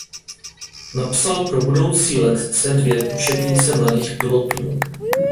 Napsal pro budoucí letce dvě učebnice mladých pilotů.